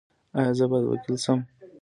ایا زه باید وکیل شم؟